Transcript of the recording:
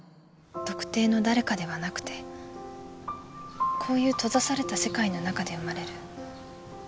特定の誰かではなくてこういう閉ざされた世界の中で生まれる悪意だったんだなって。